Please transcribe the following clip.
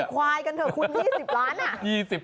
ขี่ขวายกันเถอะคุณ๒๐ล้าน